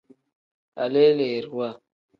Aleleeriwa.